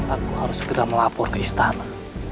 aku harus segera melapor ke istana